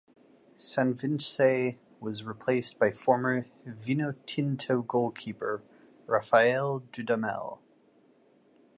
Sanvicente was replaced by former Vinotinto goalkeeper Rafael Dudamel.